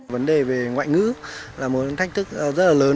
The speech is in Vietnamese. vấn đề về ngoại ngữ là một thách thức rất là lớn